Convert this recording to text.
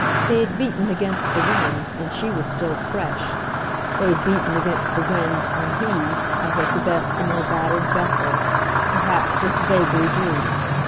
They had beaten against the wind, and she was still fresh; they had beaten against the wind, and he, as at the best the more battered vessel, perhaps just vaguely drooped.